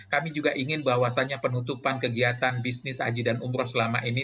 kami juga ingin bahwasannya penutupan kegiatan bisnis haji dan umroh selama ini